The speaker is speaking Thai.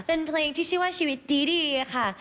เป็นเพลงที่ชื่อว่า